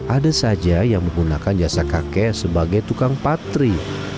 ada saja yang menggunakan jasa kakek sebagai tukang patri